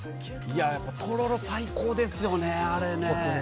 とろろ最高ですよね。